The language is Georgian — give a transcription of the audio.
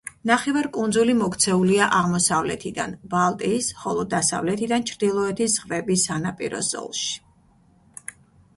ნახევარკუნძული მოქცეულია აღმოსავლეთიდან ბალტიის, ხოლო დასავლეთიდან ჩრდილოეთის ზღვების სანაპირო ზოლში.